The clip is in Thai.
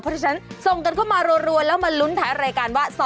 เพราะฉะนั้นส่งกันเข้ามารัวแล้วมาลุ้นท้ายรายการว่า